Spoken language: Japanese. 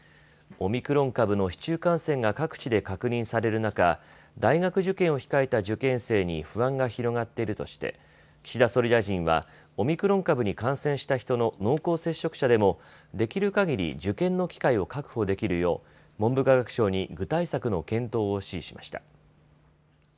オミクロン株の市中感染が各地で確認される中、大学受験を控えた受験生に不安が広がっているとして岸田総理大臣はオミクロン株に感染した人の濃厚接触者でもできるかぎり受験の機会を確保できるよう文部科学省に具体策の検討を指示しました。